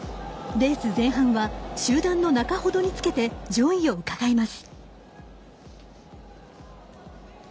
レース前半は集団の中ほどにつけて上位をうかがいます。